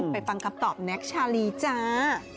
ไปตามติดตามแนคชาลีจ้า